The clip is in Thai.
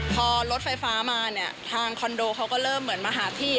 พอรถไฟฟ้ามาเนี่ยทางคอนโดเขาก็เริ่มเหมือนมาหาที่